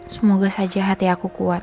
semoga saja hati aku kuat